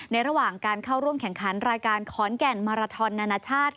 ระหว่างการเข้าร่วมแข่งขันรายการขอนแก่นมาราทอนนานาชาติ